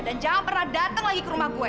dan jangan pernah dateng lagi ke rumah gue